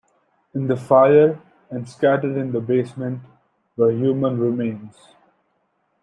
In the fire, and scattered in the basement, were human remains.